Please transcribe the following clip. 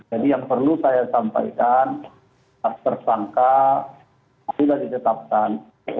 jadi yang perlu saya sampaikan tersangka sudah dicetakkan